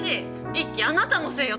イッキあなたのせいよ。